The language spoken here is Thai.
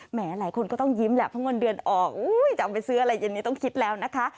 หลายคนก็ต้องยิ้มแหละเพราะเงินเดือนออกจะเอาไปซื้ออะไรเย็นนี้ต้องคิดแล้วนะคะ